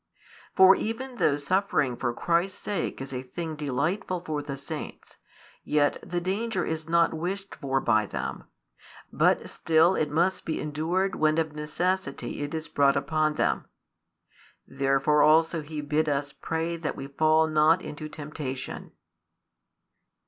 For even though suffering for Christ's sake is a thing delightful for the saints, yet the danger is not wished for by them: but still it must be endured when of necessity it is brought upon them. Therefore also He bids us pray that we fall not into temptation.